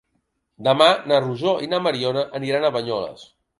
Demà na Rosó i na Mariona aniran a Banyoles.